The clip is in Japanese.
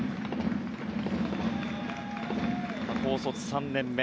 高卒３年目